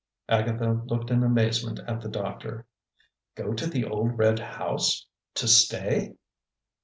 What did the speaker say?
Agatha looked in amazement at the doctor. "Go to the old red house to stay?"